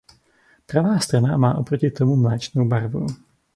Pravá strana má oproti tomu mléčnou barvu.